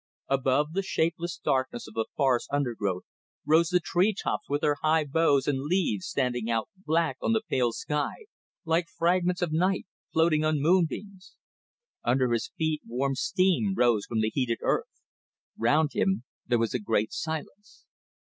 Above the shapeless darkness of the forest undergrowth rose the treetops with their high boughs and leaves standing out black on the pale sky like fragments of night floating on moonbeams. Under his feet warm steam rose from the heated earth. Round him there was a great silence.